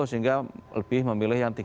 sehingga lebih memilih yang tiga